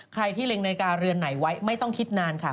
ใครที่เล็งนาฬิกาเรือนไหนไว้ไม่ต้องคิดนานค่ะ